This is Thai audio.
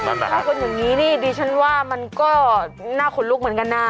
ถ้าเป็นอย่างนี้นี่ดิฉันว่ามันก็น่าขนลุกเหมือนกันนะ